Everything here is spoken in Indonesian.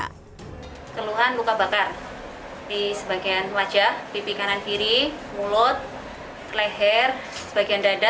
keluhan luka bakar di sebagian wajah pipi kanan kiri mulut leher sebagian dada